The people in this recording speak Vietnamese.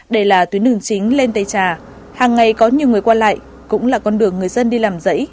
đây là tuyến đường chính lên tây trà hàng ngày có nhiều người qua lại cũng là con đường người dân đi làm dãy